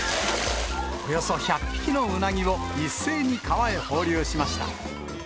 およそ１００匹のウナギを、一斉に川へ放流しました。